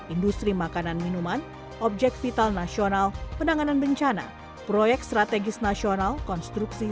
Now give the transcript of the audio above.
industri makanan minuman objek vital nasional penanganan bencana proyek strategis nasional konstruksi